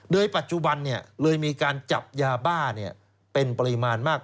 โดยปัจจุบันเลยมีการจับยาบ้าเป็นปริมาณมาก